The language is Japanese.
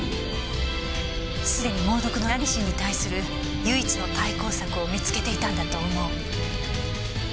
すでに猛毒のラニシンに対する唯一の対抗策を見つけていたんだと思う。